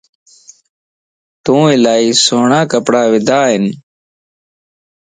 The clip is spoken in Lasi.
تو الائي سھڻا ڪپڙا ودا ائين